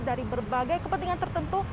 dari berbagai kepentingan tertentu